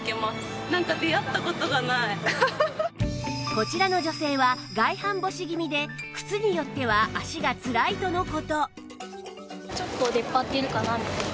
こちらの女性は外反母趾気味で靴によっては足がつらいとの事